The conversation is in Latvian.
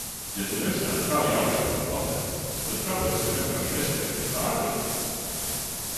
Ja tu nezināji, kā jāaizpilda patents, tad kāpēc tu vienkārši neskrēji pie Hārvija?